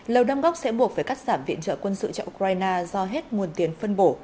lầu đâm góc sẽ buộc phải cắt giảm viện trợ quân sự cho ukraine do hết nguồn tiền phân bổ